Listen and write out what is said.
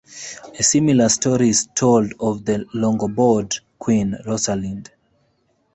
A similar story is told of the Longobard queen, Rosalind.